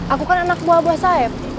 aku kan anak buah buah sayap